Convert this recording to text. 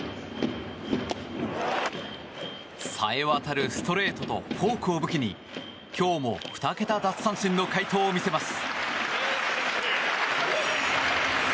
冴えわたるストレートとフォークを武器に今日も２桁奪三振の快投を見せます。